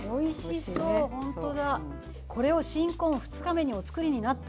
これを新婚２日目にお作りになった。